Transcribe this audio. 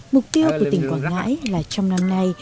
mục tiêu của tỉnh quảng ngãi là trong năm nay